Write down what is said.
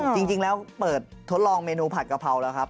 จริงแล้วเปิดทดลองเมนูผัดกะเพราแล้วครับ